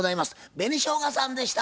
紅しょうがさんでした。